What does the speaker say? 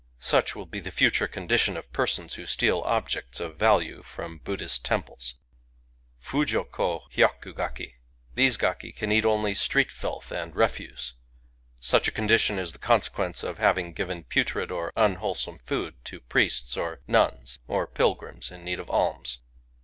..• Such will be the future con dition of persons who steal objects of value from Buddhist temples. ^^ Fujo ko hyaku^gaku — These gaki can eat only street filth and refuse. Such a condition is the consequence of having given putrid or unwholesome food to priests or nuns, or pilgrims in need of alms.